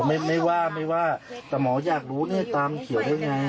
เออไม่ว่าไม่ว่าแต่หมอยากรู้ตามเขียวได้อย่างไร